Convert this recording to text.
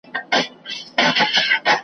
د کمزوري عاقبت .